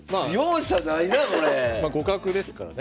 ま互角ですからね